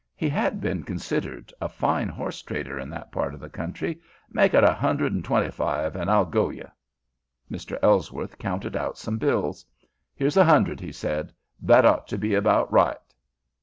He had been considered a fine horse trader in that part of the country. "Make it a hundred and twenty five, an' I'll go ye." Mr. Ellsworth counted out some bills. "Here's a hundred," he said. "That ought to be about right."